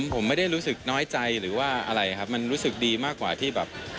ผมไม่ได้รู้สึกน้อยใจหรือว่าอะไรครับมันรู้สึกดีมากกว่าที่แบบ